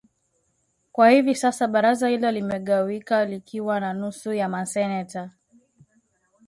Kwa hivi sasa baraza hilo limegawika likiwa na nusu ya maseneta